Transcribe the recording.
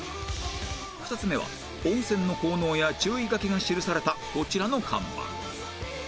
２つ目は温泉の効能や注意書きが記されたこちらの看板